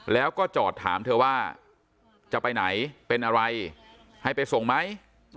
แล้วก็จอดถามเธอว่าจะไปไหนเป็นอะไรให้ไปส่งไหม